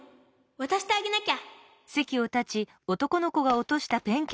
わたしてあげなきゃ！